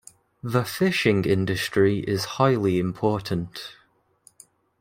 The fishing industry is highly important.